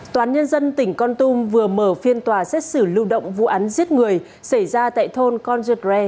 toán nhân dân tỉnh con tum vừa mở phiên tòa xét xử lưu động vụ án giết người xảy ra tại thôn con dudre